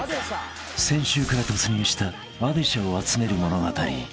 ［先週から突入したあでしゃを集める物語］